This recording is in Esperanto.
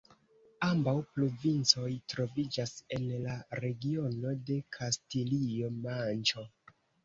Ambaŭ provincoj troviĝas en la regiono de Kastilio-Manĉo.